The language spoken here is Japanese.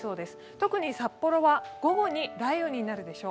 特に札幌は午後に雷雨になるでしょう。